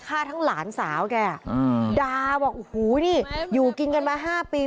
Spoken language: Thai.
ฆ่าทั้งหลานสาวแกอืมด่าบอกโอ้โหนี่อยู่กินกันมา๕ปี